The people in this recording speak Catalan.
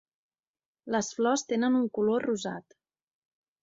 Les flors tenen un color rosat.